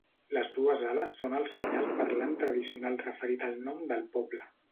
Les dues ales són el senyal parlant tradicional referit al nom del poble.